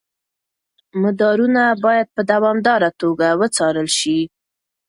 مدارونه باید په دوامداره توګه وڅارل شي.